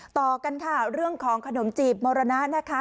ต่อกันค่ะเรื่องของขนมจีบมรณะนะคะ